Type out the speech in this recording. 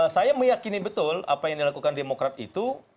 saya meyakini betul apa yang dilakukan demokrat itu